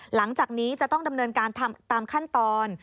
หลังจากนี้จะต้องดำเนินการตามขั้นตอน